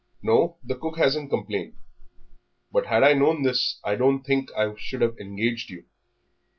"No, the cook hasn't complained, but had I known this I don't think I should have engaged you.